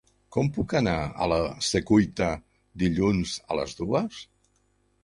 Com puc anar a la Secuita dilluns a les dues?